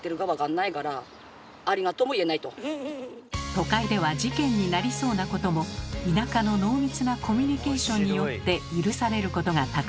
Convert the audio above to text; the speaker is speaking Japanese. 都会では事件になりそうなことも田舎の濃密なコミュニケーションによって許されることがたくさんあるようです。